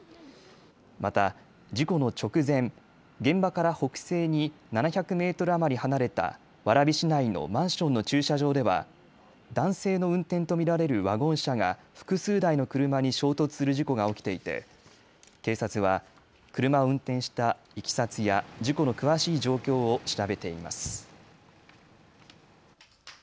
また事故の直前、現場から北西に７００メートル余り離れた蕨市内のマンションの駐車場では男性の運転と見られるワゴン車が複数台の車に衝突する事故が起きていて警察は車を運転したいきさつや事故の詳しい状況を調べています。